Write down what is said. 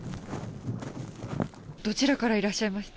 どちらからいらっしゃいました？